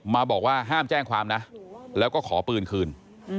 มาบอกว่าห้ามแจ้งความนะแล้วก็ขอปืนคืน